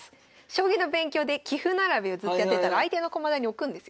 将棋の勉強で棋譜並べをずっとやってったら相手の駒台に置くんですよ。